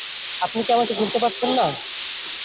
আপনি কি আমাকে চিনতে পারছেন না?